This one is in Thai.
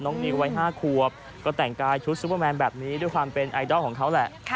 นิววัย๕ขวบก็แต่งกายชุดซุปเปอร์แมนแบบนี้ด้วยความเป็นไอดอลของเขาแหละ